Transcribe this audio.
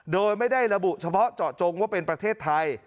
โดยไม่ได้ระบุเฉพาะเจาะจงว่าเป็นประเทศไทย